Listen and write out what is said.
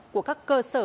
của các cơ sở